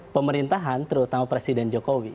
pemerintahan terutama presiden jokowi